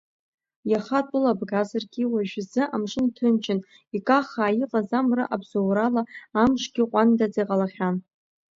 Иаха атәыла бгазаргьы уажәазы амшын ҭынчын икаххаа иҟаз амра абзоурала амшгьы ҟәандаӡа иҟалахьан.